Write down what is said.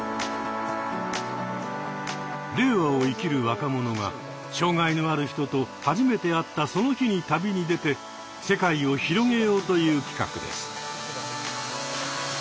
令和を生きる若者が障害のある人と初めて会ったその日に旅に出て世界を広げようという企画です。